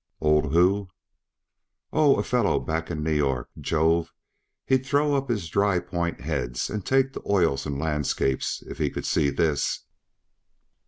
"Old who?" "Oh, a fellow back in New York. Jove! he'd throw up his dry point heads and take to oils and landscapes if he could see this."